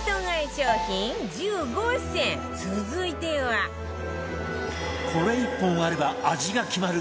商品１５選続いてはこれ１本あれば味が決まる！